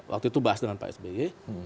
waktu itu bahas dengan pak sby